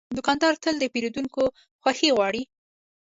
دوکاندار تل د پیرودونکو خوښي غواړي.